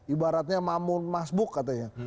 ibaratnya mamun masbuk katanya